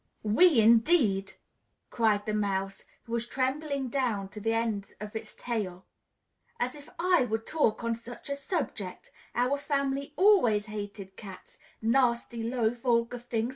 "We, indeed!" cried the Mouse, who was trembling down to the end of its tail. "As if I would talk on such a subject! Our family always hated cats nasty, low, vulgar things!